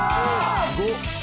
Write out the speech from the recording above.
・すごっ